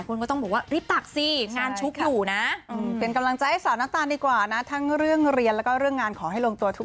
ก็ฝากงานด้วยนะคะ